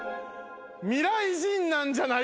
未来人なんじゃない？